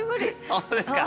本当ですか？